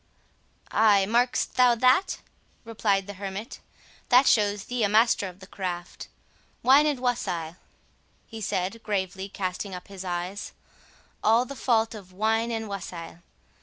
"Ay, mark'st thou that?" replied the hermit; "that shows thee a master of the craft. Wine and wassail," he added, gravely casting up his eyes—"all the fault of wine and wassail!